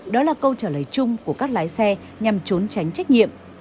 đó là câu trả lời chung của các lái xe nhằm trốn tránh trách nhiệm